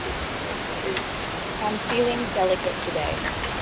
Am feeling delicate today.